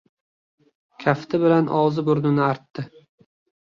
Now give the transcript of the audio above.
Kafti bilan og‘zi burnini artdi.